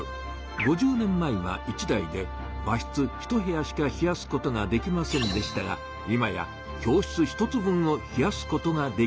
５０年前は１台で和室ひと部屋しか冷やすことができませんでしたが今や教室ひとつ分を冷やすことができるように。